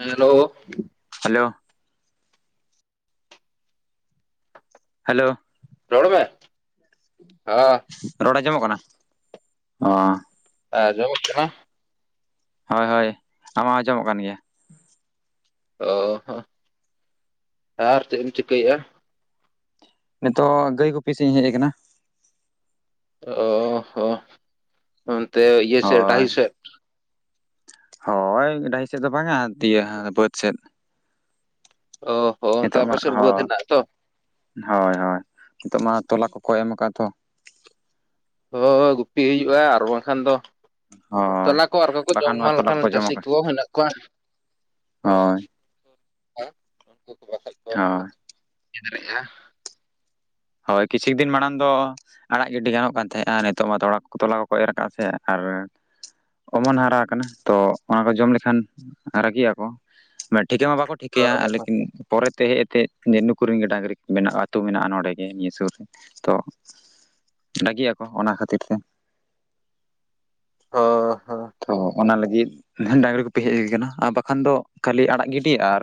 Hello hello hello ᱨᱚᱲ ᱢᱮ ᱦᱟᱻᱟ ᱨᱚᱲ ᱟᱸᱡᱚᱢᱚᱜ ᱠᱟᱱᱟ ᱦᱟᱸ ᱟᱡᱚᱢᱚᱜ ᱠᱟᱱᱟ ᱦᱳᱭ ᱦᱳᱭ ᱟᱢ ᱢᱟ ᱟᱸᱡᱚᱢᱚᱜ ᱠᱟᱱ ᱜᱮᱭᱟ ᱚ ᱦᱚ ᱟᱨ ᱪᱮᱫ ᱮᱢ ᱪᱤᱠᱟᱹᱭᱮᱫᱼᱟ ᱱᱤᱛᱚᱜ ᱜᱟᱹᱭ ᱠᱚᱯᱤ ᱥᱮᱫ ᱤᱧ ᱦᱮᱡ ᱠᱟᱱᱟ ᱚ ᱦᱚ ᱚᱱᱛᱮ ᱤᱭᱟᱹ ᱥᱮᱮᱫ ᱦᱳᱭ ᱰᱟᱦᱤ ᱥᱮᱫ ᱦᱳᱭ ᱰᱟᱹᱦᱤ ᱥᱮᱫ ᱫᱚ ᱵᱟᱝᱟ ᱤᱭᱟᱹ ᱵᱟᱹᱫᱽ ᱥᱮᱫ ᱚ ᱦᱚᱸ ᱚᱱᱛᱮ ᱱᱤᱛᱚᱜ ᱟᱯᱮ ᱢᱟ ᱥᱮᱫ ᱵᱟᱹᱫᱽ ᱦᱳᱭ ᱦᱮᱱᱟᱜ ᱛᱚ ᱦᱳᱭ ᱦᱳᱭ ᱱᱤᱛᱚᱜ ᱢᱟ ᱛᱚᱞᱟ ᱠᱚ ᱠᱚ ᱮᱢ ᱟᱠᱟᱫ ᱛᱚ ᱦᱳᱭ ᱜᱩᱯᱤ ᱦᱩᱭᱩᱜᱼᱟ ᱟᱨ ᱵᱟᱝᱠᱷᱟᱱ ᱫᱚ ᱦᱳᱭ ᱛᱚᱞᱟ ᱠᱚ ᱟᱨ ᱠᱚ ᱵᱟᱠᱷᱟᱱ ᱡᱚᱢ ᱢᱟ ᱮᱢ ᱛᱚᱞᱟ ᱞᱮᱠᱷᱟᱱ ᱠᱚᱠᱚ ᱡᱚᱢ ᱪᱟᱹᱥᱤ ᱟᱠᱟᱫ ᱠᱚ ᱦᱮᱱᱟᱜ ᱠᱚᱣᱟ ᱚᱜ ᱦᱳᱭ ᱩᱱᱠᱩ ᱠᱚ ᱯᱟᱥᱮᱡ ᱠᱚ ᱦᱳᱭ ᱮᱫᱨᱮᱜ-ᱟ ᱦᱳᱭ ᱠᱤᱪᱷᱩ ᱫᱤᱱ ᱢᱟᱲᱟᱝ ᱫᱚ ᱟᱲᱟᱜ ᱜᱤᱰᱤ ᱜᱟᱱᱚᱜ ᱠᱟᱱ ᱛᱟᱦᱮᱸᱫᱼᱟ ᱱᱤᱛᱚᱜ ᱢᱟ ᱛᱚᱲ ᱛᱚᱞᱟ ᱠᱚᱠᱚ ᱮᱨ ᱟᱠᱟᱫᱼᱟ ᱥᱮ ᱟᱨ ᱦᱚᱭ ᱚᱢᱚᱱ ᱦᱟᱨᱟ ᱟᱠᱟᱱᱟ ᱛᱚ ᱚᱱᱟ ᱠᱚ ᱡᱚᱢ ᱞᱮᱠᱷᱟᱱ ᱨᱟᱹᱜᱤᱜ ᱟᱠᱚ ᱢᱤᱫ ᱴᱷᱤᱠᱟᱹ ᱢᱟ ᱵᱟᱠᱚ ᱴᱷᱤᱠᱟᱹᱭᱟ ᱞᱮᱠᱤᱱ ᱴᱷᱤᱠᱟ ᱢᱟ ᱵᱟᱠᱚ ᱪᱷᱤᱠᱟᱭᱟ ᱞᱤᱡᱳᱱ ᱯᱚᱨᱮᱛᱮ ᱦᱮᱡ ᱟᱛᱮᱫ ᱡᱮ ᱱᱩᱠᱩ ᱨᱮᱱ ᱜᱮ ᱰᱟᱝᱨᱤ ᱢᱮᱱᱟᱜᱼᱟ ᱟᱹᱛᱩ ᱢᱮᱱᱟᱜᱼᱟ ᱱᱚᱸᱰᱮ ᱜᱮ ᱱᱤᱭᱟᱹ ᱥᱩᱨ ᱨᱮ ᱛᱚ ᱨᱟᱹᱜᱤᱭᱟᱠᱚ ᱚᱱᱟ ᱠᱷᱟᱹᱛᱤᱨ ᱛᱮ ᱚ ᱦᱚᱸ ᱛᱚ ᱚᱱᱟ ᱞᱟᱹᱜᱤᱫ ᱰᱟᱝᱨᱤ ᱠᱩᱯᱤ ᱦᱮᱡ ᱦᱳᱭ ᱟᱠᱟᱱᱟ ᱟᱨ ᱵᱟᱠᱷᱟᱱ ᱫᱚ ᱠᱷᱟᱹᱞᱤ ᱟᱲᱟᱜ ᱜᱤᱰᱤ ᱟᱨ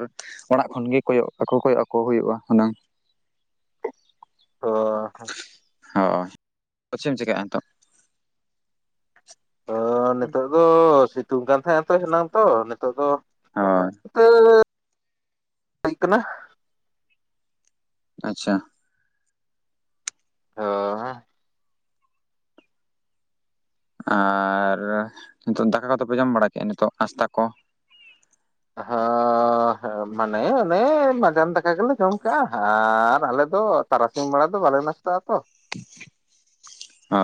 ᱚᱲᱟᱜ ᱠᱷᱚᱱ ᱜᱮ ᱠᱚ ᱠᱚᱭᱚᱜ ᱟᱠᱚ ᱠᱚᱚᱜ ᱟᱠᱚ ᱦᱩᱭᱩᱜᱼᱟ ᱦᱩᱱᱟᱹᱝ ᱚ ᱦᱚ ᱦᱳᱭ ᱪᱤᱢ ᱪᱮᱠᱟᱭᱼᱟ ᱱᱤᱛᱳᱜ ᱱᱤᱛᱳᱜ ᱫᱚ ᱥᱤᱛᱩᱝ ᱠᱟᱱ ᱛᱟᱦᱮᱸᱜ ᱟ ᱛᱚ ᱦᱮᱱᱟᱹᱝ ᱛᱚ ᱱᱤᱛᱳᱜ ᱫᱚ ᱦᱳᱭ [inaudible] ᱟᱭ ᱠᱟᱱᱟ ᱟᱪᱪᱷᱟ ᱦᱚᱸ ᱟᱨ ᱱᱤᱛᱚᱜ ᱫᱟᱠᱟ ᱠᱚᱫᱚ ᱯᱮ ᱡᱚᱢ ᱵᱟᱲᱟ ᱠᱮᱫᱟ ᱱᱤᱛᱚᱜ ᱟᱥᱛᱟ ᱠᱚ ᱦᱮᱸ ᱢᱟᱱᱮ ᱚᱱᱮ ᱢᱟᱡᱟᱱ ᱫᱟᱠᱟ ᱜᱮᱞᱮ ᱡᱚᱢ ᱠᱟᱜᱼᱟ ᱟᱨ ᱟᱞᱮ ᱫᱚ ᱟᱞᱮ ᱫᱚ ᱛᱟᱨᱟᱥᱤᱧ ᱵᱮᱲᱟ ᱫᱚ ᱵᱟᱞᱮ ᱱᱟᱥᱟᱜᱼᱟ ᱛᱚ ᱚ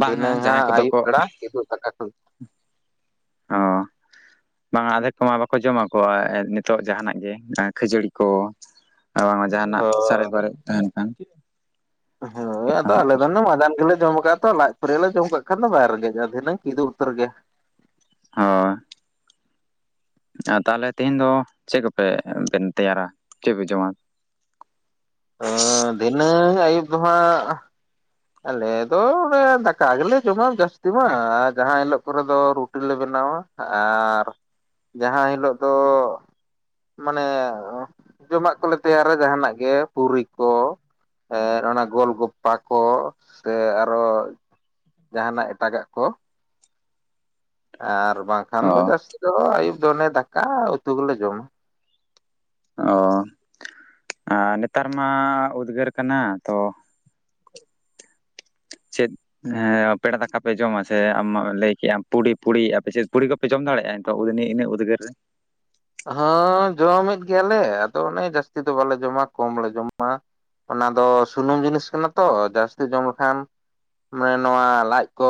ᱵᱟᱝᱟ ᱫᱷᱤᱱᱟᱹᱝ ᱡᱟᱦᱟᱸᱭ ᱦᱟᱸᱜ ᱠᱚᱫᱚ ᱟᱹᱭᱩᱵ ᱠᱚ ᱵᱮᱲᱟ ᱠᱤᱫᱩᱜ ᱛᱟᱠᱟ ᱠᱚ ᱚ ᱵᱟᱝ ᱟᱫᱮᱠ ᱠᱚᱢᱟ ᱵᱟᱠᱚ ᱡᱚᱢᱟ ᱠᱚ ᱱᱤᱛᱚᱜ ᱡᱟᱦᱟᱱᱟᱜ ᱜᱮ ᱠᱷᱟᱹᱡᱟᱹᱲᱤ ᱠᱚ ᱟᱨ ᱵᱟᱝᱟ ᱡᱟᱦᱟᱱᱟᱜ ᱥᱟᱨᱮᱡ ᱵᱟᱨᱮᱡ ᱛᱟᱦᱮᱱ ᱠᱷᱟᱱ ᱦᱮᱸ ᱟᱫᱚ ᱟᱞᱮ ᱫᱚ ᱦᱳᱭ ᱢᱟᱡᱟᱱ ᱜᱮᱞᱮ ᱡᱚᱢ ᱟᱠᱟᱫ ᱛᱚ ᱞᱟᱡ ᱟᱞᱮ ᱞᱮ ᱡᱚᱢ ᱟᱠᱟᱫ ᱠᱷᱟᱱ ᱡᱚᱢ ᱠᱟᱜ ᱠᱷᱟᱱ ᱫᱚ ᱵᱟᱭ ᱨᱮᱜᱮ ᱫᱷᱤᱱᱟᱹᱝ ᱠᱤᱫᱩᱵ ᱩᱛᱟᱹᱨ ᱜᱮ ᱦᱳᱭ ᱛᱟᱦᱞᱮ ᱛᱮᱦᱤᱧ ᱫᱚ ᱪᱮᱫ ᱠᱚᱯᱮ ᱛᱮᱭᱟᱨᱟ ᱪᱮᱫ ᱯᱮ ᱡᱚᱢᱟ ᱚ ᱫᱷᱤᱱᱟᱹᱝ ᱟᱹᱭᱩᱵ ᱟ ᱫᱚ ᱦᱟᱸᱜ ᱟᱞᱮ ᱫᱚ ᱚᱱᱮ ᱫᱟᱠᱟ ᱜᱮᱞᱮ ᱡᱚᱢᱟ ᱡᱟᱹᱥᱛᱤ ᱛᱤ ᱢᱟ ᱟᱨ ᱡᱟᱦᱟᱸ ᱦᱤᱞᱚᱜ ᱠᱚᱨᱮ ᱫᱚ ᱨᱩᱴᱤᱞ ᱞᱮ ᱵᱮᱱᱟᱣᱟ ᱟᱨ ᱡᱟᱦᱟᱸ ᱦᱤᱞᱳᱜ ᱫᱚ ᱢᱟᱱᱮ ᱡᱚᱢᱟᱜ ᱠᱚᱞᱮ ᱛᱮᱭᱟᱨᱟ ᱡᱟᱦᱟᱱᱟᱜ ᱜᱮ ᱯᱩᱨᱤ ᱠᱚ ᱚᱱᱟ ᱜᱳᱞ ᱜᱚᱯᱟ ᱠᱚ ᱥᱮ ᱟᱨᱦᱚ ᱡᱟᱦᱟᱱᱟᱜ ᱮᱴᱟᱜᱟᱜ ᱠᱚ ᱟᱨ ᱵᱟᱝᱠᱷᱟᱱ ᱚ ᱫᱚ ᱡᱟᱹᱥᱛᱤ ᱫᱚ ᱟᱹᱭᱩᱵ ᱫᱚ ᱚᱱᱮ ᱫᱟᱠᱟ ᱩᱛᱩ ᱜᱮᱞᱮ ᱡᱚᱢᱟ ᱚ ᱟᱨ ᱱᱮᱛᱟᱨ ᱢᱟ ᱩᱫᱽᱜᱟᱹᱨ ᱠᱟᱱᱟ ᱛᱚ ᱪᱮᱫ ᱦᱮᱸ ᱯᱮᱲᱟ ᱫᱟᱠᱟ ᱯᱮ ᱡᱚᱢᱟ ᱥᱮ ᱟᱢ ᱞᱟᱹᱭ ᱠᱮᱜ ᱟᱢ ᱯᱩᱲᱤ ᱯᱩᱲᱤ ᱟᱯᱮ ᱪᱮᱫ ᱯᱩᱲᱤ ᱠᱚᱯᱮ ᱡᱚᱢᱟ ᱫᱟᱲᱮᱭᱟᱜᱼᱟ ᱱᱤᱛᱚᱜ ᱤᱱᱟᱹ ᱩᱫᱽᱜᱟᱹᱨ ᱨᱮ ᱦᱮᱸ ᱡᱚᱢᱮᱫ ᱜᱮᱭᱟᱞᱮ ᱟᱫᱚ ᱚᱱᱮ ᱡᱟᱹᱥᱛᱤ ᱫᱚ ᱵᱟᱞᱮ ᱡᱚᱢᱟ ᱠᱚᱢ ᱞᱮ ᱡᱚᱢᱟ ᱚᱱᱟ ᱫᱚ ᱥᱩᱱᱩᱢ ᱡᱤᱱᱤᱥ ᱠᱟᱱᱟ ᱛᱚ ᱡᱟᱹᱥᱛᱤ ᱡᱚᱢ ᱞᱮᱠᱷᱟᱱ ᱢᱟᱱᱮ ᱱᱚᱣᱟ ᱞᱟᱡ ᱠᱚ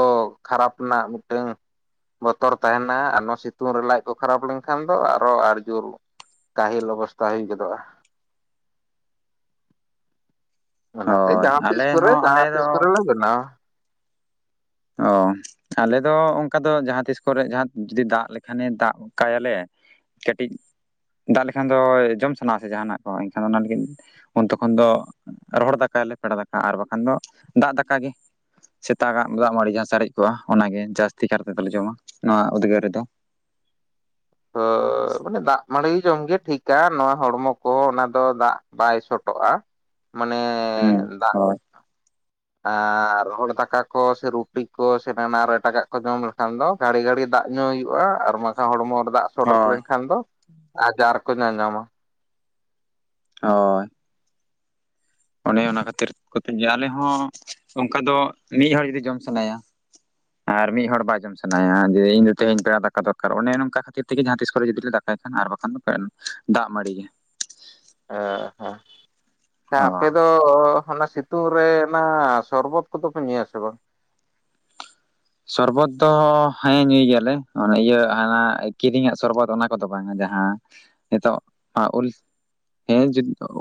ᱠᱷᱟᱨᱟᱯ ᱨᱮᱱᱟᱜ ᱢᱤᱫᱴᱟᱹᱝ ᱵᱚᱛᱚᱨ ᱛᱟᱦᱮᱱᱟ ᱟᱨ ᱱᱚᱣᱟ ᱥᱤᱛᱩᱝ ᱨᱮ ᱞᱟᱡ ᱠᱚ ᱠᱷᱟᱨᱟᱯ ᱞᱮᱱᱠᱷᱟᱱ ᱫᱚ ᱟᱨᱦᱚ ᱟᱨ ᱡᱳᱨ ᱠᱟᱹᱦᱤᱞ ᱚᱵᱚᱥᱛᱷᱟ ᱦᱩᱭ ᱜᱚᱫᱚᱜᱼᱟ [inaudible] ᱚᱱᱟᱛᱮ ᱦᱳᱭ ᱡᱟᱦᱟᱸ ᱟᱞᱮ ᱛᱤᱥ ᱠᱚᱨᱮ ᱦᱚᱸ ᱟᱞᱮ ᱡᱟᱦᱟᱸ ᱫᱚ ᱛᱤᱥ ᱠᱚᱨᱮ ᱞᱮ ᱵᱮᱱᱟᱣᱟ ᱚ ᱟᱞᱮ ᱫᱚ ᱚᱱᱠᱟ ᱫᱚ ᱡᱟᱦᱟᱸ ᱛᱤᱥ ᱠᱚᱨᱮ ᱡᱟᱦᱟᱸ ᱡᱩᱫᱤ ᱫᱟᱜ ᱞᱮᱠᱷᱟᱱᱮ ᱫᱟᱜ ᱠᱟᱭᱟᱞᱮ ᱠᱟᱹᱴᱤᱡ ᱫᱟᱜ ᱞᱮᱠᱷᱟᱱ ᱫᱚ ᱡᱚᱢ ᱥᱟᱱᱟ ᱟ ᱥᱮ ᱡᱟᱦᱟᱱᱟᱜ ᱠᱚ ᱮᱱᱠᱷᱟᱱ ᱚᱱᱟ ᱮ ᱯᱮᱲᱟ ᱫᱟᱠᱟ ᱟᱨ ᱵᱟᱝᱠᱷᱟᱱ ᱫᱚ ᱫᱟᱜ ᱫᱟᱠᱟ ᱜᱮ ᱥᱮᱛᱟᱜᱟᱜ ᱫᱟᱜ ᱢᱟᱹᱲᱤ ᱡᱟᱦᱟᱸ ᱥᱟᱨᱮᱡ ᱠᱚᱜᱼᱟ ᱚᱱᱟᱜᱮ ᱡᱟᱹᱥᱛᱤ ᱠᱟᱨ ᱛᱮᱫᱚᱞᱮ ᱡᱚᱢᱟ ᱱᱚᱣᱟ ᱩᱫᱽᱜᱟᱹᱨ ᱨᱮᱫᱚ ᱟ ᱢᱟᱱᱮ ᱫᱟᱜ ᱢᱟᱹᱲᱤ ᱡᱚᱢ ᱜᱮ ᱴᱷᱤᱠᱟ ᱱᱚᱣᱟ ᱦᱚᱲᱢᱚ ᱠᱚ ᱚᱱᱟ ᱫᱚ ᱫᱟᱜ ᱵᱟᱭ ᱥᱚᱴᱚᱜᱼᱟ ᱢᱟᱱᱮ ᱦᱩᱸ ᱫᱟᱜ ᱦᱳᱭ ᱟᱨ ᱨᱚᱦᱚᱲ ᱫᱟᱠᱟ ᱠᱚ ᱥᱮ ᱨᱩᱴᱤ ᱠᱚ ᱥᱮ ᱱᱟᱱᱟ ᱟᱨ ᱮᱴᱟᱜᱟᱜ ᱠᱚ ᱡᱚᱢ ᱞᱮᱠᱷᱟᱱ ᱫᱚ ᱜᱟᱹᱲᱤ ᱜᱷᱟᱹᱲᱤ ᱫᱟᱜ ᱫᱟᱜ ᱧᱩ ᱦᱩᱭᱩᱜᱼᱟ ᱟᱨ ᱵᱟᱝᱠᱷᱟᱱ ᱦᱚᱲᱢᱚ ᱨᱮ ᱫᱟᱜ ᱥᱚᱴ ᱦᱳᱭ ᱞᱮᱱᱠᱷᱟᱱ ᱫᱚ ᱟᱡᱟᱨ ᱠᱚ ᱧᱟᱧᱟᱢᱟ ᱦᱳᱭ ᱚᱱᱮ ᱚᱱᱟ ᱠᱷᱟᱹᱛᱤᱨ ᱠᱚᱛᱮ ᱟᱞᱮ ᱦᱚᱸ ᱚᱱᱠᱟ ᱫᱚ ᱢᱤᱫ ᱦᱚᱲ ᱡᱩᱫᱤ ᱡᱚᱢ ᱥᱟᱱᱟᱭᱟ ᱟᱨ ᱢᱤᱫ ᱦᱚᱲ ᱵᱟᱭ ᱡᱚᱢ ᱥᱟᱱᱟᱭᱟ ᱡᱮ ᱤᱧ ᱫᱚ ᱛᱮᱦᱤᱧ ᱯᱮᱲᱟ ᱫᱟᱠᱟ ᱫᱚᱨᱠᱟᱨ ᱚᱱᱮ ᱱᱚᱝᱠᱟ ᱠᱷᱟᱹᱛᱤᱨ ᱛᱮᱜᱮ ᱡᱟᱦᱟᱸ ᱛᱤᱥᱨᱮ ᱡᱩᱫᱤ ᱞᱮ ᱫᱟᱠᱟ ᱱᱟ ᱟᱨ ᱵᱟᱠᱷᱟᱱ ᱫᱚ ᱫᱟᱜ ᱢᱟᱹᱲᱤ ᱜᱮ ᱚ ᱦᱮᱸ ᱚ ᱟᱯᱮ ᱫᱚ ᱚᱱᱟ ᱥᱤᱛᱩᱝ ᱨᱮ ᱚᱱᱟ ᱥᱚᱨᱵᱚᱛ ᱠᱚᱫᱚ ᱯᱮ ᱧᱩᱭᱟᱥᱮ ᱵᱟᱝ ᱥᱚᱨᱵᱚᱛ ᱫᱚ ᱦᱮᱸ ᱧᱩᱭ ᱜᱮᱭᱟᱞᱮ ᱚᱱᱮ ᱤᱭᱟᱹ ᱦᱟᱱᱟ ᱠᱤᱨᱤᱧᱟᱜ ᱥᱚᱨᱵᱚᱛ ᱚᱱᱟ ᱠᱚᱫᱚ ᱵᱟᱝᱟ ᱡᱟᱦᱟᱸ ᱦᱮᱸ ᱱᱤᱛᱚᱜ ᱩᱞ ᱦᱮᱸ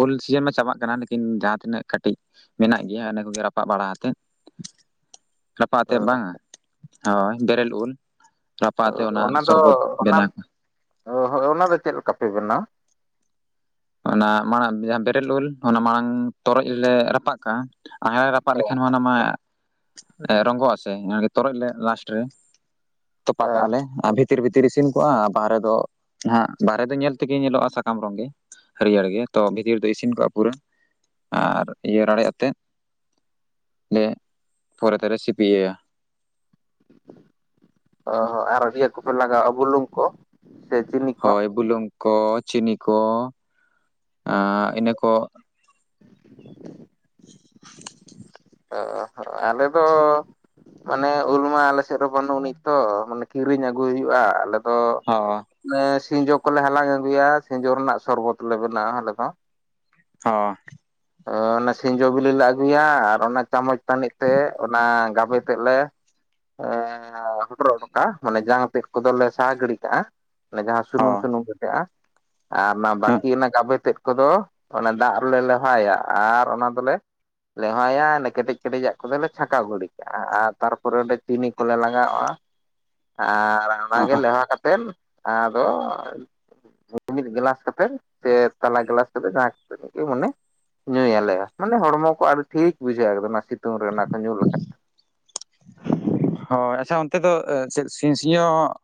ᱩᱞ ᱥᱤᱡᱤᱱ ᱢᱟ ᱪᱟᱵᱟᱜ ᱠᱟᱱᱟ ᱞᱮᱠᱤᱱ ᱡᱟᱦᱟᱸ ᱛᱤᱱᱟᱹᱜ ᱠᱟᱹᱴᱤᱡ ᱢᱮᱱᱟᱜ ᱜᱮᱭᱟ ᱤᱱᱟᱹ ᱠᱚᱜᱮ ᱨᱟᱯᱟᱜ ᱵᱟᱲᱟ ᱟᱛᱮᱫ ᱨᱟᱯᱟᱜ ᱟᱛᱮ ᱵᱟᱝ-ᱟ ᱦᱳᱭ ᱵᱮᱨᱮᱞ ᱩᱞ ᱨᱟᱯᱟᱜ ᱟᱛᱮ ᱚᱱᱟ ᱫᱚ ᱥᱚᱨᱵᱚᱛ ᱚᱱᱟ ᱵᱮᱱᱟᱣ ᱦᱳᱭ ᱚᱱᱟ ᱫᱚ ᱪᱮᱫ ᱞᱮᱠᱟ [inaudible] ᱚᱱᱟ ᱢᱟᱲᱟᱝ ᱡᱟᱦᱟᱸ ᱵᱮᱨᱮᱞ ᱩᱞ ᱚᱱᱟ ᱢᱟᱲᱟᱝ ᱛᱚᱨᱚᱡ ᱨᱮᱞᱮ ᱨᱟᱯᱟᱜ ᱠᱟᱜᱼᱟ᱾ ᱟᱜᱲᱟ ᱨᱟᱯᱟᱜ ᱞᱮᱠᱷᱟᱱ ᱚᱱᱟ ᱢᱟ ᱨᱚᱸᱜᱚᱜᱼᱟᱥᱮ ᱛᱚᱨᱚᱡ ᱞᱮ ᱞᱟᱥᱴ ᱨᱮ ᱛᱚᱯᱟ ᱠᱟᱜᱼᱟ ᱞᱮ ᱟᱨ ᱵᱷᱤᱛᱤᱨ ᱵᱷᱤᱛᱤᱨ -ᱵᱷᱤᱛᱤᱨ ᱤᱥᱤᱱ ᱠᱚᱜᱼᱟ, ᱵᱟᱨᱦᱮ ᱫᱚ ᱵᱟᱨᱦᱮ ᱫᱚ ᱧᱮᱞ ᱛᱮᱜᱮ ᱧᱮᱞᱚᱜᱼᱟ! ᱥᱟᱠᱟᱢ ᱨᱚᱝᱜᱮ ᱦᱟᱹᱨᱭᱟᱹᱲ ᱜᱮ ᱛᱚ ᱵᱷᱤᱛᱤᱨ ᱫᱚ ᱤᱥᱤᱱ ᱠᱚᱜᱼᱟ, ᱯᱩᱨᱟᱹ ᱟᱨ ᱤᱭᱟᱹ ᱨᱟᱲᱮᱡ ᱟᱛᱮᱫ ᱞᱮ! ᱯᱚᱨᱮ ᱛᱮᱞᱮ ᱥᱤᱯᱤᱭᱟ᱾ ᱚ ᱦᱚᱸ ᱟᱨ ᱤᱭᱟᱹ ᱠᱚᱯᱮ ᱞᱟᱜᱟᱣᱟ ᱵᱩᱞᱩᱝ ᱠᱚ? ᱥᱮ ᱪᱤᱱᱤ ᱠᱚ ᱦᱳᱭ! ᱵᱩᱞᱩᱝ ᱠᱚ ᱪᱤᱱᱤ ᱠᱚ, ᱤᱱᱟᱹ ᱠᱚ [inaudible] ᱚ ᱟᱞᱮ ᱫᱚ ᱢᱟᱱᱮ ᱩᱞ ᱢᱟ ᱟᱞᱮ ᱥᱮᱫ ᱨᱮ ᱵᱟᱹᱱᱩᱜᱱᱤᱡ ᱛᱚ ᱢᱟᱱᱮ ᱠᱤᱨᱤᱧ ᱟᱹᱜᱩᱭ ᱦᱩᱭᱩᱜᱼᱟ, ᱟᱞᱮ ᱫᱚ ᱦᱚᱸ ᱚᱱᱮ ᱥᱤᱸᱡᱚ ᱠᱚᱞᱮ ᱦᱟᱞᱟᱝ ᱟᱹᱜᱩᱭᱼᱟ, ᱥᱤᱸᱡᱳ ᱨᱮᱱᱟᱜ ᱥᱚᱨᱵᱚᱛ ᱞᱮ ᱵᱮᱱᱟᱜᱣᱟ ᱟᱞᱮ ᱫᱚ ᱦᱚᱸ ᱚᱱᱟ ᱥᱤᱸᱡᱚ ᱵᱤᱞᱤ ᱞᱮ ᱟᱹᱜᱩᱭᱟ ᱟᱨ ᱚᱱᱟ ᱪᱟᱢᱚᱪ ᱛᱟᱹᱱᱤᱡ ᱛᱮ ᱚᱱᱟ ᱜᱟᱵᱮ ᱛᱮᱫ ᱞᱮ ᱮ ᱦᱚᱴᱚᱨ ᱩᱰᱩᱠ ᱚᱱᱠᱟ ᱢᱟᱱᱮ ᱡᱟᱝ ᱛᱮᱫ ᱠᱚᱫᱚᱞᱮ ᱥᱟᱦᱟ ᱜᱤᱰᱤ ᱠᱟᱜᱼᱟ, ᱢᱟᱱᱮ ᱡᱟᱦᱟᱸ ᱥᱩᱱᱩᱢ ᱦᱚᱸ ᱥᱩᱱᱩᱢ ᱜᱮᱴᱟᱹᱜᱼᱟ᱾ ᱟᱨ ᱚᱱᱟ ᱵᱟᱹᱠᱤ ᱨᱮᱱᱟᱜ ᱜᱟᱵᱮ ᱛᱮᱫ ᱠᱚᱫᱚ ᱚᱱᱟ ᱫᱟᱜ ᱨᱮᱞᱮ ᱞᱮ ᱞᱮᱣᱦᱟᱭᱟ ᱟᱨ ᱟᱱᱟ ᱫᱚᱞᱮ ᱞᱮᱣᱟᱭᱟ ᱚᱱᱮ ᱠᱮᱴᱮᱡ ᱠᱮᱴᱮᱡ ᱟᱜ ᱠᱚᱫᱚᱞᱮ ᱪᱷᱟᱸᱠᱟᱣ ᱜᱤᱰᱤ ᱠᱟᱜᱼᱟ ᱟᱨ ᱛᱟᱨᱯᱚᱨᱮ ᱚᱸᱰᱮ ᱪᱤᱱᱤ ᱠᱚᱞᱮ ᱞᱟᱜᱟᱣᱼᱟ᱾ ᱟᱨ ᱚᱱᱟᱜᱮ ᱦᱮᱸ ᱞᱮᱣᱦᱟ ᱠᱟᱛᱮᱫ ᱟᱫᱚ ᱢᱤ-ᱢᱤᱫ ᱜᱞᱟᱥ ᱠᱟᱛᱮ ᱥᱮ ᱛᱟᱞᱟ ᱜᱞᱟᱥ ᱠᱟᱛᱮ ᱡᱟᱦᱟᱸᱭ ᱢᱟᱱᱮ ᱧᱩᱭᱟᱞᱮᱭᱟ ᱢᱟᱱᱮ ᱦᱚᱲᱢᱚ ᱠᱚ ᱟᱨ ᱴᱷᱤᱠ ᱵᱩᱡᱷᱟᱹᱜᱼᱟ, ᱮᱠᱫᱚᱢ ᱥᱤᱛᱩᱝ ᱨᱮ ᱚᱱᱟ ᱠᱚ ᱧᱩ ᱞᱮᱠᱷᱟᱡ ᱱᱚᱛᱮ ᱫᱚ ᱥᱤᱧ ᱥᱤᱧᱚᱛ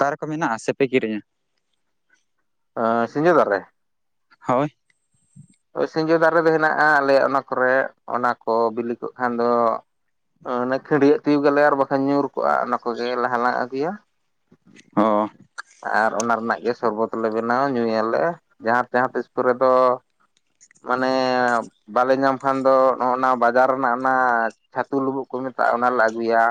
ᱫᱟᱨᱮ ᱠᱚ ᱢᱮᱱᱟᱜᱼᱟ, ᱥᱮᱯᱮ ᱠᱤᱨᱤᱧᱟ? ᱟᱻ ᱥᱤᱡᱚᱸ ᱫᱟᱨᱮ ᱦᱳᱭ! ᱥᱤᱸᱡᱳ ᱫᱟᱨᱮ ᱫᱚ ᱦᱮᱱᱟᱜᱼᱟ᱾ ᱟᱞᱮ ᱚᱱᱟ ᱠᱚᱨᱮᱜ ᱚᱱᱟ ᱠᱚ ᱵᱤᱞᱤ ᱠᱚᱜ ᱠᱷᱟᱱ ᱫᱚ ᱚᱱᱟ ᱠᱷᱟᱹᱰᱭᱟᱹᱜ ᱛᱤᱭᱳᱜ ᱟᱞᱮ ᱟᱨ ᱵᱟᱠᱷᱟᱱ ᱧᱩᱨ ᱠᱚᱜᱼᱟ᱾ ᱚᱱᱟ ᱠᱚᱜᱮ ᱞᱟᱦᱟ ᱦᱟᱞᱟᱝ ᱟᱹᱜᱩᱭᱟ ᱚ ᱟᱨ ᱚᱱᱟ ᱨᱮᱱᱟᱜ ᱜᱮ ᱥᱚᱨᱵᱚᱛ ᱞᱮ ᱵᱮᱱᱟᱣᱟ ᱧᱩᱭᱟᱞᱮ ᱡᱟᱦᱟᱸ ᱡᱟᱦᱟᱸ ᱛᱤᱥᱠᱩᱨᱮ ᱫᱚ [inaudible] ᱢᱟᱱᱮ ᱵᱟᱞᱮ ᱧᱟᱢ ᱠᱷᱟᱱ ᱫᱚ ᱱᱚᱜᱼ ᱱᱟ ᱵᱟᱡᱟᱨ ᱨᱮᱱᱟᱜ ᱚᱱᱟ ᱪᱷᱟᱹᱛᱩ ᱞᱩᱵᱩᱜ ᱠᱚ ᱢᱮᱛᱟᱜᱼᱟ, ᱚᱱᱟ ᱞᱮ ᱟᱹᱜᱩᱭᱟ᱾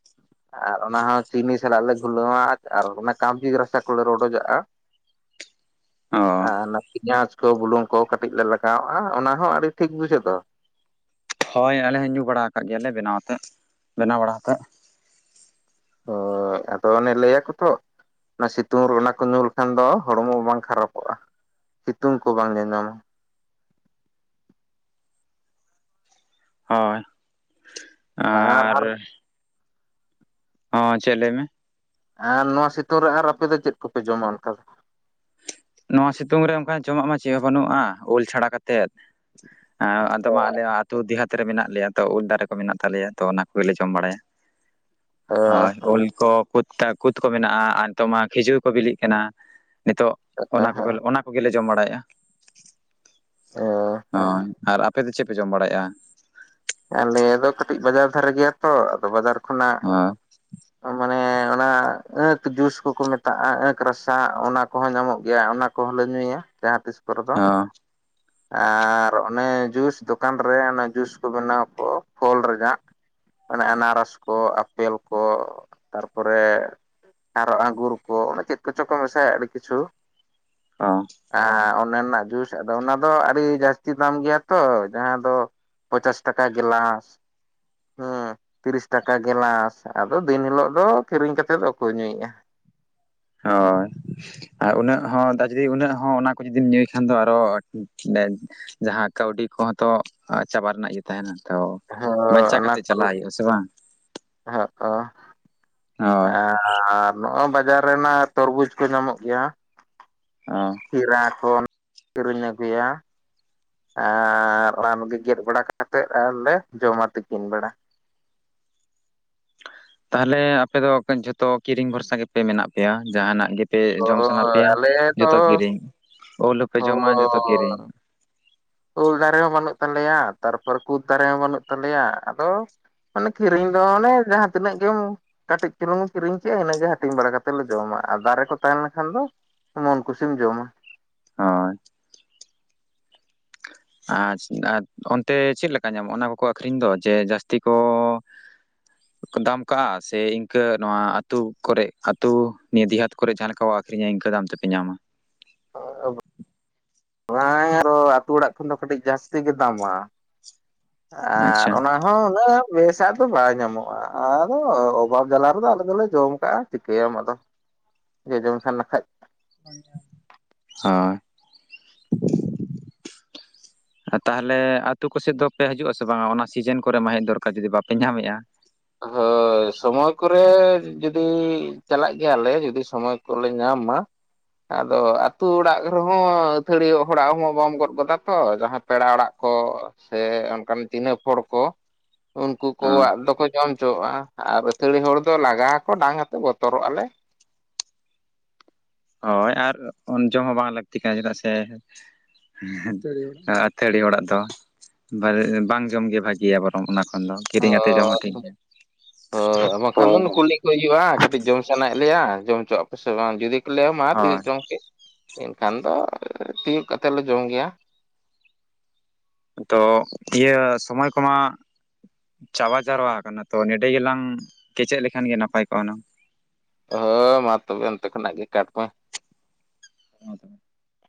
[inaudible] ᱟᱨ ᱚᱱᱟ ᱦᱚᱸ ᱪᱤᱱᱤ ᱥᱟᱞᱟᱜ ᱞᱮ ᱜᱩᱞᱟᱹᱣᱟ ᱟᱨ ᱚᱱᱟ ᱠᱟᱵᱡᱤ ᱨᱟᱥᱟ ᱠᱚᱞᱮ ᱨᱚᱰᱚᱡᱟᱜᱼᱟ᱾ [inaudible] ᱟᱨ ᱚᱱᱟ ᱯᱮᱧᱟᱡ ᱛᱚ ᱵᱩᱞᱩᱝ ᱠᱚ ᱠᱟᱹᱴᱤᱡ ᱞᱮ ᱞᱟᱜᱟᱣᱟᱜᱼᱟ, ᱚᱱᱟ ᱦᱚᱸ ᱟᱹᱰᱤ ᱴᱷᱤᱠ ᱵᱩᱡᱷᱟᱹᱜ ᱫᱚ ᱦᱳᱭ ᱟᱞᱮ ᱦᱚ ᱧᱩ ᱵᱟᱲᱟ ᱟᱠᱟᱜ ᱜᱮᱭᱟᱞᱮ ᱵᱮᱱᱟᱣᱛᱮᱫ ᱵᱮᱱᱟᱣ ᱵᱟᱲᱟ ᱠᱟᱛᱮᱫ ᱦᱳᱭ ᱟᱫᱚ ᱚᱱᱮ ᱞᱟᱹᱭ ᱭᱟᱠᱚ ᱛᱚ ᱚᱱᱟ ᱥᱤᱛᱩᱝ ᱚᱱᱟ ᱠᱚ ᱧᱩ ᱞᱮᱠᱷᱟᱱ ᱫᱚ ᱦᱚᱲᱢᱚ ᱵᱟᱝ ᱠᱷᱟᱨᱟᱯᱚᱜᱼᱟ᱾ ᱥᱤᱛᱩᱝ ᱠᱚ ᱵᱟᱝ ᱧᱟᱢ ᱧᱟᱢᱟ ᱦᱳᱭ! ᱟᱨ ᱦᱚᱸ ᱪᱮᱫ ᱞᱟᱹᱭ ᱢᱮ? ᱟᱨ ᱱᱚᱣᱟ ᱥᱤᱛᱩᱝ ᱨᱮ ᱟᱨ ᱟᱯᱮ ᱫᱚ ᱪᱮᱫ ᱠᱚᱯᱮ ᱡᱚᱢᱟ ᱚᱱᱠᱟ ᱫᱚ? ᱱᱚᱣᱟ ᱥᱤᱛᱩᱝ ᱨᱮ ᱚᱱᱠᱟ ᱡᱚᱢᱟᱜ ᱢᱟ ᱪᱮᱫ ᱦᱚᱸ ᱵᱟᱹᱱᱩᱜᱼᱟ, ᱩᱞ ᱪᱷᱟᱲᱟ ᱠᱟᱛᱮᱫ᱾ ᱦᱮᱸ ᱟᱫᱚ ᱢᱟ ᱟᱞᱮ ᱟᱹᱛᱩ ᱫᱮᱦᱟᱛ ᱱᱚᱛᱮ ᱨᱮ ᱢᱮᱱᱟᱜ ᱞᱮᱭᱟ ᱛᱚ ᱩᱞ ᱫᱟᱨᱮ ᱠᱚ ᱢᱮᱱᱟᱜ ᱛᱟᱞᱮᱭᱟ ᱛᱚ ᱚᱱᱟ ᱠᱚᱞᱮ ᱡᱚᱢ ᱵᱟᱲᱟᱭᱟ᱾ ᱦᱳᱭ ᱩᱞ ᱠᱚ ᱠᱩᱫ ᱠᱚ ᱢᱮᱱᱟᱜᱼᱟ ᱟᱨ ᱛᱚᱢᱟ ᱠᱷᱤᱡᱩᱨ ᱠᱚ ᱵᱤᱞᱤᱜ ᱠᱟᱱᱟ ᱱᱤᱛᱚᱜ ᱚᱱᱟ ᱠᱚᱜᱮᱞ ᱚᱱᱟ ᱠᱚᱜᱮᱞᱮ ᱡᱚᱢ ᱵᱟᱲᱟᱭ ᱦᱳ ᱟᱯᱮ ᱫᱚ ᱪᱮᱫ ᱯᱮ ᱡᱚᱢ ᱵᱟᱲᱟᱭᱮᱜᱼᱟ ᱟᱞᱮ ᱫᱚ ᱠᱟᱹᱴᱤᱡ ᱵᱟᱡᱟᱨ ᱫᱷᱟᱨᱮ ᱜᱮᱭᱟ ᱛᱚ ᱟᱫᱚ ᱵᱟᱡᱟᱨ ᱠᱷᱚᱱᱟᱜ ᱦᱮᱸ ᱢᱟᱱᱮ ᱚᱱᱟ ᱟᱸᱠ ᱡᱩᱥ ᱠᱚᱠᱚ ᱢᱮᱛᱟᱜᱼᱟ ᱟᱸᱠ ᱨᱟᱥᱟ ᱚᱱᱟ ᱠᱚᱦᱚᱸ ᱧᱟᱢᱚᱜ ᱜᱮᱭᱟ ᱚᱱᱟ ᱠᱚᱦᱚᱸ ᱞᱮ ᱧᱩᱭᱟ ᱡᱟᱦᱟᱸ ᱛᱤᱥ ᱠᱚᱨᱮ ᱫᱚ ᱦᱚ ᱟᱨ ᱚᱱᱮ ᱡᱩᱥ ᱫᱚᱠᱟᱱ ᱨᱮ ᱡᱩᱥ ᱠᱚ ᱵᱮᱱᱟᱣᱚ ᱯᱷᱚᱞ ᱨᱮᱭᱟᱜ ᱢᱟᱱᱮ ᱟᱱᱟᱨᱚᱥ ᱠᱚ ᱟᱯᱮᱞ ᱠᱚ ᱛᱟᱨᱯᱚᱨᱮ ᱟᱨ ᱟᱸᱜᱩᱨ ᱠᱚ ᱚᱱᱮ ᱪᱮᱫ ᱠᱚᱪᱚ ᱠᱚ ᱢᱮᱥᱟᱭᱟ ᱟᱹᱰᱤ ᱠᱤᱪᱷᱩ ᱟᱨ ᱚᱱᱟ ᱨᱮᱱᱟᱜ ᱡᱩᱥ ᱟᱫᱚ ᱚᱱᱟ ᱫᱚ ᱟᱹᱰᱤ ᱡᱟᱹᱥᱛᱤ ᱫᱟᱢ ᱜᱮᱭᱟ ᱛᱚ ᱡᱟᱦᱟᱸ ᱫᱚ ᱯᱚᱪᱟᱥ ᱴᱟᱠᱟ ᱜᱮᱞᱟᱥ ᱦᱮᱸ ᱛᱤᱨᱤᱥ ᱴᱟᱠᱟ ᱜᱮᱞᱟᱥ ᱟᱫᱚ ᱫᱤᱱ ᱦᱤᱞᱳᱜ ᱫᱚ ᱠᱤᱨᱤᱧ ᱠᱟᱛᱮᱫ ᱫᱚ ᱚᱠᱚᱭ ᱧᱩᱭᱮᱫᱼᱟ ᱦᱳᱭ ᱟᱨ ᱩᱱᱟᱹᱜ ᱦᱚᱸ ᱡᱩᱫᱤ ᱩᱱᱟᱹᱜ ᱦᱚᱸ ᱚᱱᱟ ᱠᱚ ᱡᱩᱫᱤᱢ ᱧᱩᱭ ᱠᱷᱟᱱ ᱫᱚ ᱟᱨᱚ ᱰᱮ ᱡᱟᱦᱟᱸ ᱠᱟᱹᱣᱰᱤ ᱠᱚᱦᱚᱸ ᱛᱚ ᱪᱟᱵᱟ ᱨᱮᱱᱟᱜ ᱜᱮ ᱛᱟᱦᱮᱸᱱᱟ ᱛᱚ ᱦᱚᱸ ᱵᱟᱧᱪᱟᱣ ᱚᱱᱟ ᱠᱟᱛᱮ ᱠᱚ ᱪᱟᱞᱟᱜ ᱦᱩᱭᱩᱜᱼᱟ ᱥᱮ ᱵᱟᱝ? ᱦᱚᱸᱜ ᱚ ᱦᱳᱭ ᱟᱨ ᱱᱚᱜᱼᱚᱭ ᱵᱟᱡᱟᱨ ᱨᱮᱱᱟᱜ ᱛᱚᱨᱵᱩᱡᱽ ᱠᱚ ᱧᱟᱢᱚᱜ ᱜᱮᱭᱟ ᱦᱳᱭ ᱠᱷᱤᱨᱟ ᱠᱚ ᱠᱤᱨᱤᱧ ᱟᱜᱩᱭᱟ ᱟᱨ ᱨᱟᱱᱜᱮ ᱜᱮᱫ ᱵᱟᱲᱟ ᱠᱟᱛᱮᱫ ᱟᱨ ᱞᱮ ᱡᱚᱢᱟ ᱛᱤᱠᱤᱱ ᱵᱮᱲᱟ ᱛᱟᱦᱞᱮ ᱟᱯᱮ ᱫᱚ ᱡᱷᱚᱛᱚ ᱠᱤᱨᱤᱧ ᱵᱷᱚᱨᱥᱟ ᱜᱮᱯᱮ ᱢᱮᱱᱟᱜ ᱯᱮᱭᱟ ᱡᱟᱦᱟᱱᱟᱜ ᱜᱮ ᱯᱮ ᱛᱚ ᱡᱚᱢ ᱥᱟᱱᱟ ᱯᱮᱭᱟ ᱟᱞᱮ ᱫᱚ ᱡᱚᱛᱚ ᱠᱤᱨᱤᱧ ᱩᱞ ᱦᱚᱸ ᱯᱮ ᱡᱚᱢᱟ ᱡᱚᱛᱚ ᱠᱤᱨᱤᱧ ᱩᱞ ᱫᱟᱨᱮ ᱦᱚᱸ ᱵᱟᱹᱱᱩᱜ ᱛᱟᱞᱮᱭᱟ ᱛᱟᱨᱯᱚᱨ ᱠᱩᱫ ᱫᱟᱨᱮ ᱦᱚᱸ ᱵᱟᱹᱱᱩᱜ ᱛᱟᱞᱮᱭᱟ ᱟᱫᱚ ᱢᱟᱱᱮ ᱠᱤᱨᱤᱧ ᱫᱚ ᱚᱱᱮ ᱡᱟᱦᱟᱸ ᱛᱤᱱᱟᱹᱜ ᱜᱮᱢ ᱠᱟᱹᱴᱤᱡ ᱪᱩᱞᱩᱝᱢ ᱠᱤᱨᱤᱧ ᱠᱮᱫᱮᱜᱼᱟ ᱤᱱᱟᱹᱜ ᱜᱮ ᱦᱟᱹᱴᱤᱧ ᱵᱟᱲᱟ ᱠᱟᱛᱮᱮᱫ ᱞᱮ ᱡᱚᱢᱟ ᱟᱨ ᱫᱟᱨᱮ ᱠᱚ ᱛᱟᱦᱮᱸᱱᱠᱷᱟᱱ ᱫᱚ ᱢᱚᱱ ᱠᱩᱥᱤᱢ ᱡᱚᱢᱟ ᱦᱳᱭ [unintelligible] ᱟᱨ ᱚᱱᱛᱮ ᱪᱮᱫ ᱞᱮᱠᱟ ᱧᱟᱢᱚᱜᱼᱟ ᱚᱱᱟ ᱠᱚᱠᱚ ᱟᱹᱠᱷᱨᱤᱧ ᱫᱚ ᱡᱮ ᱡᱟᱹᱥᱛᱤ ᱠᱚ ᱫᱟᱢ ᱠᱟᱜᱼᱟ ᱥᱮ ᱤᱱᱠᱟᱹ ᱱᱚᱣᱟ ᱟᱛᱳ ᱠᱚᱨᱮ ᱟᱛᱳ ᱱᱤᱭᱟᱹ ᱫᱤᱦᱟᱛ ᱠᱚᱨᱮ ᱡᱟᱦᱟᱸ ᱞᱮᱠᱟ ᱟᱹᱷᱠᱷᱨᱤᱧᱟ ᱤᱱᱠᱟᱹ ᱫᱟᱢ ᱛᱮᱯᱮ ᱧᱟᱢᱟ ᱚ ᱟᱵᱚ ᱦᱮ ᱟᱫᱚ ᱟᱹᱛᱩ ᱚᱲᱟᱜ ᱠᱷᱚᱱ ᱫᱚ ᱠᱟᱹᱴᱤᱡ ᱡᱟᱹᱥᱛᱤ ᱜᱮ ᱫᱟᱢᱟ ᱟᱨ ᱟᱪᱪᱷᱟ ᱚᱱᱟ ᱦᱚᱸ ᱵᱮᱥᱟᱜ ᱫᱚ ᱵᱟᱝᱟᱭ ᱧᱟᱢᱚᱜᱼᱟ ᱟᱫᱚ ᱚᱵᱷᱟᱵᱽ ᱡᱟᱞᱟ ᱨᱮᱫᱚ ᱟᱞᱮ ᱫᱚᱞᱮ ᱡᱚᱢ ᱠᱟᱜᱼᱟ ᱪᱤᱠᱟᱹᱭᱟᱢ ᱟᱫᱚ ᱡᱮ ᱡᱚᱢ ᱥᱟᱱᱟ ᱠᱷᱟᱡ ᱦᱳᱭ ᱛᱟᱦᱚᱞᱮ ᱟᱹᱛᱩ ᱠᱚᱥᱮᱫ ᱫᱚ ᱯᱮ ᱦᱤᱡᱩᱜ ᱟᱥᱮ ᱵᱟᱝᱟ ᱚᱱᱟ ᱥᱤᱡᱮᱱ ᱠᱚᱨᱮ ᱢᱟ ᱦᱮᱡ ᱫᱚᱨᱠᱟᱨ ᱡᱩᱚᱫᱤ ᱵᱟᱯᱮ ᱧᱟᱢᱮᱜᱼᱟ ᱦᱳᱭ ᱥᱚᱢᱚᱭ ᱠᱚᱨᱮ ᱡᱩᱫᱤ ᱪᱟᱞᱟᱜ ᱜᱮᱭᱟᱞᱮ ᱡᱩᱫᱤ ᱥᱚᱢᱚᱭ ᱠᱚᱞᱮ ᱧᱟᱢ ᱢᱟ ᱟᱫᱚ ᱟᱹᱛᱩ ᱚᱲᱟᱜ ᱨᱮᱦᱚᱸ ᱟᱹᱛᱷᱟᱹᱲᱤ ᱦᱚᱲᱟᱜ ᱦᱚᱸ ᱵᱟᱢ ᱜᱚᱫ ᱜᱚᱫᱟ ᱛᱚ ᱡᱟᱦᱟᱸ ᱯᱮᱲᱟ ᱚᱲᱟᱜ ᱠᱚ ᱥᱮ ᱚᱱᱠᱟᱱ ᱪᱤᱱᱦᱟᱹᱯ ᱦᱚᱲ ᱠᱚ ᱩᱱᱠᱩ ᱦᱳᱭ ᱠᱚᱣᱟᱜ ᱫᱚᱠᱚ ᱡᱚᱢ ᱦᱚᱪᱚᱣᱟᱜᱼᱟ ᱟᱨ ᱟᱹᱛᱷᱟᱹᱲᱤ ᱦᱚᱲ ᱫᱚ ᱞᱟᱜᱟ ᱟᱠᱚ ᱰᱟᱝ ᱟᱛᱮ ᱵᱚᱛᱚᱨᱚᱜ ᱟᱞᱮ ᱦᱳᱭ ᱟᱨ ᱡᱚᱢ ᱦᱚᱸ ᱵᱟᱝ ᱞᱟᱹᱠᱛᱤ ᱠᱟᱱᱟ ᱪᱮᱫᱟᱜ ᱥᱮ ᱟᱹᱛᱷᱟᱲᱤ ᱦᱚᱲᱟᱜ ᱫᱚ ᱵᱟᱝ ᱡᱚᱢᱜᱮ ᱵᱷᱟᱹᱜᱤᱭᱟ ᱵᱚᱨᱚᱝ ᱚᱱᱟ ᱟᱫᱚ ᱠᱤᱨᱤᱧ ᱟᱛᱮᱫ ᱡᱚᱢ ᱦᱚᱸ ᱴᱷᱤᱠ ᱦᱳᱭ ᱜᱮᱭᱟ ᱦᱳᱭ ᱵᱟᱠᱷᱟᱱ ᱫᱚ ᱠᱩᱞᱤ ᱠᱚ ᱦᱩᱭᱩᱜᱼᱟ ᱠᱟᱹᱴᱤᱡ ᱡᱚᱢ ᱥᱟᱱᱟᱭᱮᱫ ᱞᱮᱭᱟ ᱡᱚᱢ ᱦᱚᱪᱚᱣᱟᱜ ᱥᱮ ᱵᱟᱝ ᱡᱩᱫᱤ ᱠᱚ ᱞᱟᱹᱭᱟ ᱢᱟ ᱛᱤᱭᱳᱜ ᱦᱳᱭ ᱡᱚᱝ ᱠᱮᱫ ᱮᱱᱠᱷᱟᱱ ᱫᱚ ᱛᱤᱭᱳᱜ ᱠᱟᱛᱮᱜ ᱞᱮ ᱡᱚᱢ ᱜᱮᱭᱟ ᱛᱚ ᱤᱭᱟᱹ ᱥᱚᱢᱚᱭ ᱠᱚᱢᱟ ᱪᱟᱵᱟ ᱪᱟᱵᱟ ᱠᱟᱱᱟ ᱛᱚ ᱱᱚᱸᱰᱮ ᱜᱮᱞᱟᱝ ᱠᱮᱪᱮᱫ ᱞᱮᱠᱷᱟᱱ ᱜᱮ ᱱᱟᱯᱟᱭ ᱠᱚᱜᱼᱟ ᱱᱟᱝ ᱦᱮᱸ ᱢᱟ ᱛᱚᱵᱮ ᱚᱱᱛᱮ ᱠᱷᱚᱱᱟᱜ ᱜᱮ ᱠᱟᱴ ᱢᱮ [unintelligible]